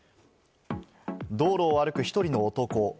道路を歩く１人の男。